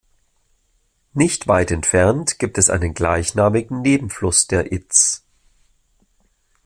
Nicht weit entfernt gibt es einen gleichnamigen Nebenfluss der Itz.